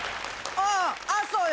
あっそうよ。